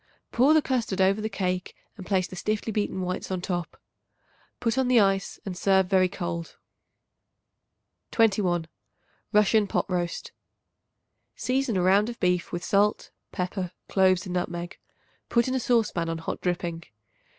Pour the custard over the cake and place the stiffly beaten whites on top. Put on the ice and serve very cold. 21. Russian Pot Roast. Season a round of beef with salt, pepper, cloves and nutmeg. Put in a saucepan on hot dripping.